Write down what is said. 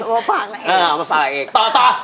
เอามาฝากนักเอกต่อ